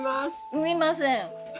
産みません。